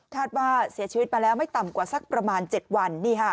ว่าเสียชีวิตมาแล้วไม่ต่ำกว่าสักประมาณ๗วัน